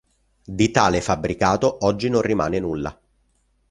Di tale fabbricato oggi non rimane nulla.